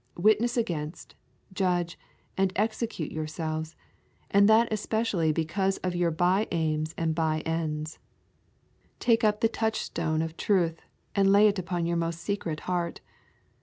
Witness against, judge, and execute yourselves, and that especially because of your by aims and by ends. Take up the touchstone of truth and lay it upon your most secret heart.